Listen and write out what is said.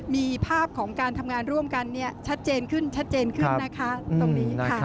มีภาพของการทำงานร่วมกันชัดเจนขึ้นนะคะตรงนี้